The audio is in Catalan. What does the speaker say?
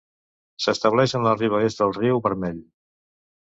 S'estableix en la riba est de el Riu Vermell.